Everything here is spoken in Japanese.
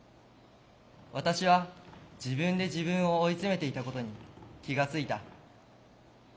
私は自分で自分を追い詰めていたことに気が付いた。